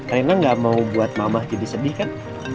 rena gak mau buat mama jadi sedih kan